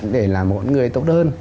để là một người tốt hơn